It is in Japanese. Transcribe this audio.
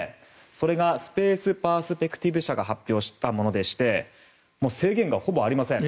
それがスペース・パースペクティブ社が発表したものでして制限がほぼありません。